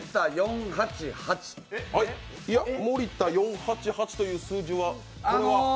いや、森田４８８という数字は、これは？